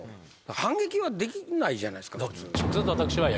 反撃はできないじゃないすか。